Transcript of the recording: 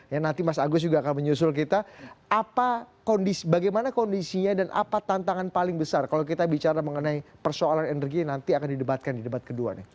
ya nanti mas agus juga akan menyusul kita bagaimana kondisinya dan apa tantangan paling besar kalau kita bicara mengenai persoalan energi yang nanti akan didebatkan di debat kedua nih